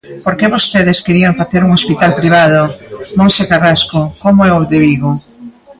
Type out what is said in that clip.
Porque vostedes querían facer un hospital privado, Monte Carrasco, como o de Vigo.